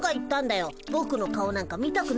ぼくの顔なんか見たくないって。